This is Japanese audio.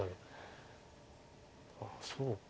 あっそうか。